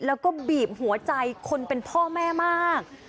แล้วก็บีบหัวใจคนเป็นพ่อแม่มาก